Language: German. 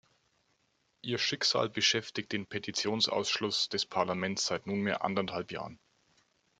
Ihr Schicksal beschäftigt den Petitionsausschuss des Parlaments seit nunmehr anderthalb Jahren.